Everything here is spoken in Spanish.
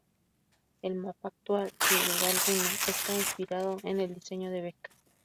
El mapa actual, sin duda alguna, está inspirado en el diseño de Beck.